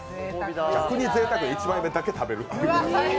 逆にぜいたく、１枚目だけ食べる。